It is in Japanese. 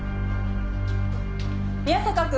宮坂君。